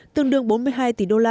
tương đương bốn mươi hai tỷ đô la